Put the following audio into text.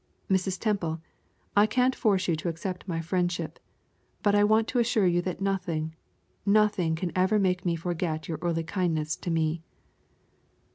Mrs. Temple, I can't force you to accept my friendship, but I want to assure you that nothing nothing can ever make me forget your early kindness to me."